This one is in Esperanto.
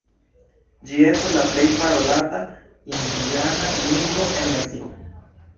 Ĝi estas la plej parolata indiana lingvo en Meksiko.